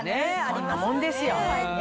こんなもんですよ。